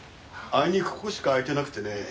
あいにくここしか空いてなくてね。